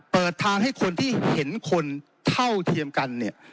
เปิดทางให้คนที่เห็นคนเท่าเทียมกันเนี่ย